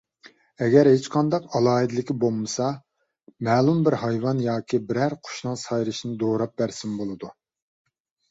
ئەگەر ھېچقانداق ئالاھىدىلىكى بولمىسا، مەلۇم بىر ھايۋان ياكى بىرەر قۇشنىڭ سايرىشىنى دوراپ بەرسىمۇ بولىدۇ.